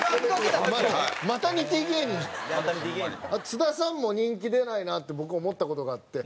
津田さんも人気出ないなって僕思った事があって。